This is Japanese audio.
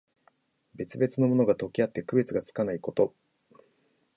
別々のものが、とけあって区別がつかないこと。